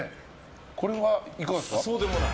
これはいかがですか。